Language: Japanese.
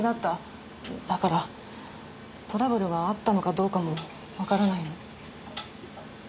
だからトラブルがあったのかどうかもわからないの。